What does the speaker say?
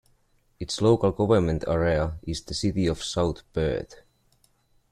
Its local government area is the City of South Perth.